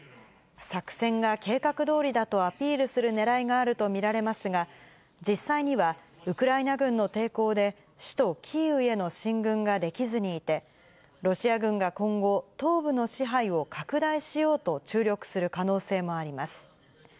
作戦が計画どおりだとアピールするねらいがあると見られますが、実際には、ウクライナ軍の抵抗で、首都キーウへの進軍ができずにいて、ロシア軍が今後、東部の支配を拡大しようと注力する可能性もあります。